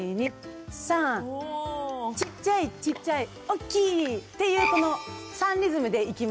ちっちゃいちっちゃいおっきい！っていうこの３リズムでいきます。